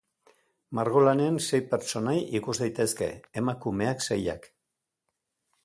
Margolanean sei pertsonai ikus daitezke, emakumeak seiak.